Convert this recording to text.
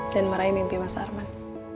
dan meraih mimpi mas arman